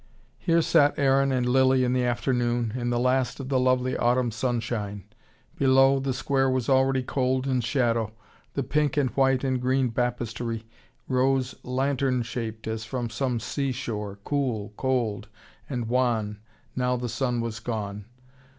Here sat Aaron and Lilly in the afternoon, in the last of the lovely autumn sunshine. Below, the square was already cold in shadow, the pink and white and green Baptistery rose lantern shaped as from some sea shore, cool, cold and wan now the sun was gone.